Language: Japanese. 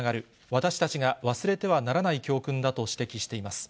私たちが忘れてはならない教訓だと指摘しています。